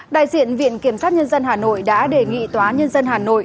đại diện viện kiểm sát nhân dân hà nội đã đề nghị tòa nhân dân hà nội